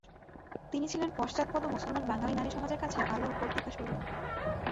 তিনি ছিলেন পশ্চাৎপদ মুসলমান বাঙালি নারীসমাজের কাছে আলোকবর্তিকাস্বরূপ।